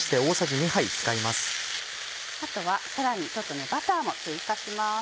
あとはさらにバターも追加します。